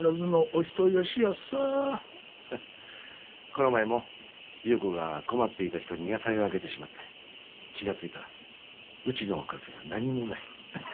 この前も優子が困っていた人に野菜をあげてしまって気が付いたらうちのおかずが何もない。